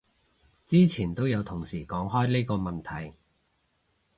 之前都有同事講開呢個問題